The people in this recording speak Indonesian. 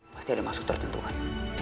pasti ada masuk tertentu kan